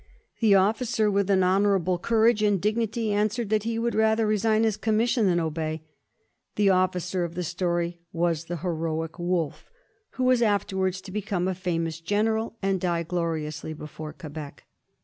The officer, with an honorable courage and dignity, answerc^d that he would rather resign his commission than obey. The officer of the story was the heroic Wolfe, who was afterwards to become a famous general and die gloriously before Quebec.